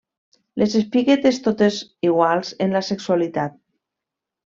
Les espiguetes totes iguals en la sexualitat.